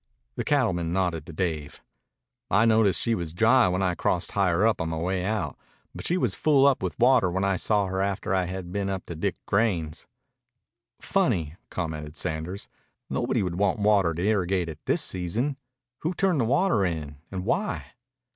The cattleman nodded to Dave. "I noticed she was dry when I crossed higher up on my way out. But she was full up with water when I saw her after I had been up to Dick Grein's." "Funny," commented Sanders. "Nobody would want water to irrigate at this season. Who turned the water in? And why?"